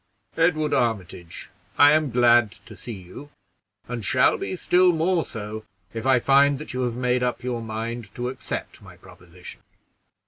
"Edward Armitage, I am glad to see you, and shall be still more so if I find that you have made up your mind to accept my proposition.